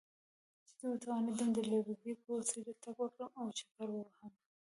چې وتوانېدم د لرګي په وسیله تګ وکړم او چکر ووهم.